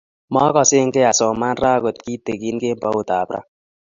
Magasegee asoman raa agot kitogin kemboutab raa